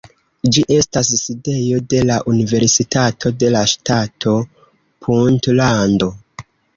Ĝi estas sidejo de la Universitato de la Ŝtato Puntlando.